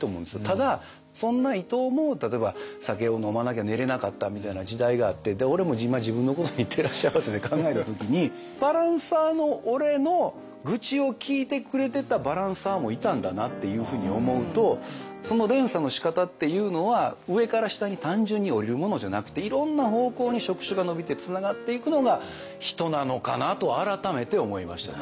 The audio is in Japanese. ただそんな伊藤も例えば酒を飲まなきゃ寝れなかったみたいな時代があって俺も今自分のことに照らし合わせて考えた時にバランサーの俺の愚痴を聞いてくれてたバランサーもいたんだなっていうふうに思うとその連鎖のしかたっていうのは上から下に単純に下りるものじゃなくていろんな方向に触手が伸びてつながっていくのが人なのかなと改めて思いましたね。